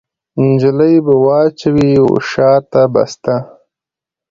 نجلۍ به واچوي وشا ته بسته